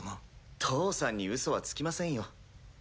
義父さんにうそはつきませんよ。